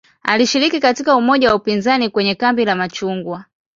Alishiriki katika umoja wa upinzani kwenye "kambi la machungwa".